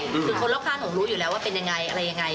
คือคนรอบข้างหนูรู้อยู่แล้วว่าเป็นยังไงอะไรยังไง